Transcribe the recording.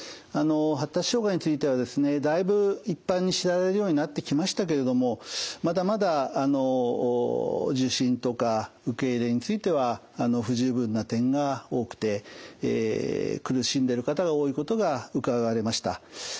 発達障害についてはですねだいぶ一般に知られるようになってきましたけれどもまだまだ受診とか受け入れについては不十分な点が多くて苦しんでる方が多いことがうかがわれました。